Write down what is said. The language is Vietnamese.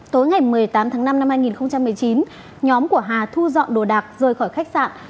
tối ngày một mươi tám tháng năm năm hai nghìn một mươi chín nhóm của hà thu dọn đồ đạc rời khỏi khách sạn